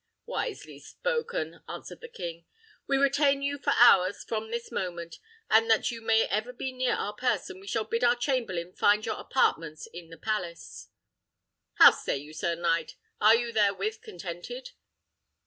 "Wisely spoken," answered the king; "we retain you for ours from this moment; and that you may be ever near our person, we shall bid our chamberlain find your apartments in the palace. How say you, sir knight? are you therewith contented?"